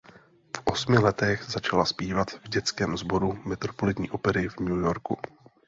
V osmi letech začala zpívat v dětském sboru Metropolitní opery v New Yorku.